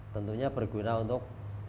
tentunya berguna untuk